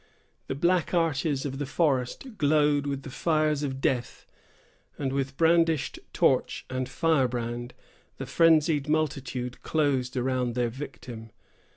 The black arches of the forest glowed with the fires of death, and with brandished torch and firebrand the frenzied multitude closed around their victim.